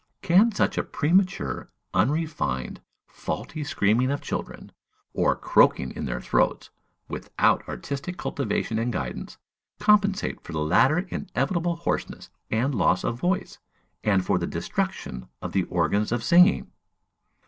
Can such a premature, unrefined, faulty screaming of children, or croaking in their throats, without artistic cultivation and guidance, compensate for the later inevitable hoarseness and loss of voice, and for the destruction of the organs of singing?